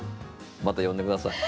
また呼んで下さい。